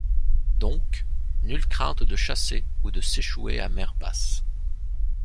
Donc, nulle crainte de chasser ou de s’échouer à mer basse.